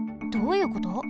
どういうこと？